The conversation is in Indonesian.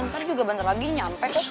nanti juga nanti lagi nyampe